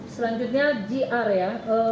selanjutnya gr ya